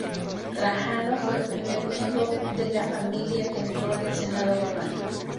Trajano fue el primer miembro de la familia que entró en el Senado Romano.